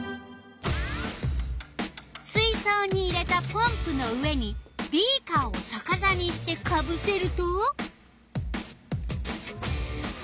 水そうに入れたポンプの上にビーカーをさかさにしてかぶせると。